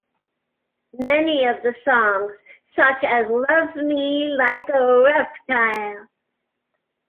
Many of the songs, such as Love Me Like a Reptile.